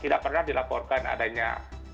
tidak pernah dilaporkan adanya